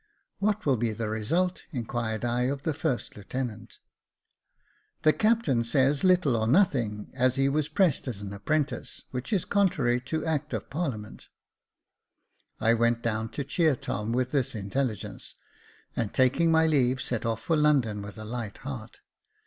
"What will be the result.?" inquired I of the first lieutenant. 422 Jacob Faithful "The captain says, little or nothing, as he was pressed as an apprentice, which is contrary to act of parliament." I went down to cheer Tom with this intelligence, and, taking my leave, set off for London with a light heart.